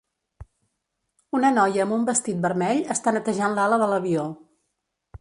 una noia amb un vestit vermell està netejant l'ala de l'avió.